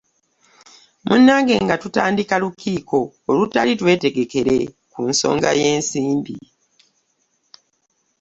Munnange, nga tutandika lukiiko olutaali lwetegekere ku nsonga ya nsimbi.